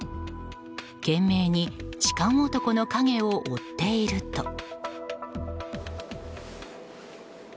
懸命に痴漢男の影を追っていると。